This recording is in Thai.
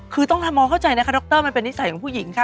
คือต้องทำความเข้าใจนะคะดรมันเป็นนิสัยของผู้หญิงค่ะ